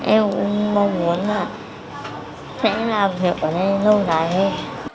em cũng mong muốn là sẽ làm việc ở đây lâu đài hơn